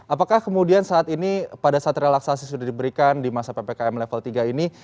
apakah kemudian saat ini pada saat relaksasi sudah diberikan di masa ppkm level tiga ini